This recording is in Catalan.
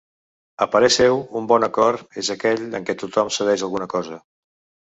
A parer seu, un bon acord és aquell en què tothom cedeix alguna cosa.